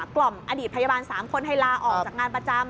กล่อมอดีตพยาบาล๓คนให้ลาออกจากงานประจำ